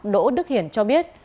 đỗ đức hiển cho biết